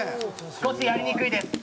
少しやりにくいです。